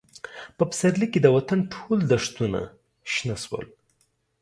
په پسرلي کې د وطن ټول دښتونه شنه شول.